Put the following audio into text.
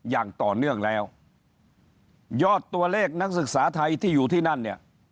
อย่างต่อเนื่องแล้วยอดตัวเลขนักศึกษาไทยที่อยู่ที่นั่นเนี่ย